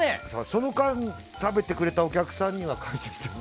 その間に食べてくれたお客さんには感謝してます。